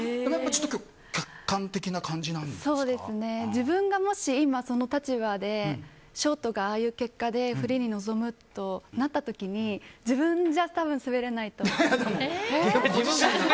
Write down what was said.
自分がもし今、その立場でショートがああいう結果でフリーに臨むとなった時に自分じゃ多分滑れないと思う。